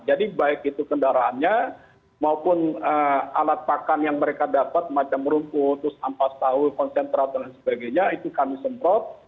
jadi baik itu kendaraannya maupun alat pakan yang mereka dapat macam rumput ampas tahu konsentrat dan sebagainya itu kami semprot